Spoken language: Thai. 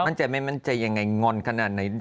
มั่นใจไม่มั่นใจยังไงงอนขนาดไหน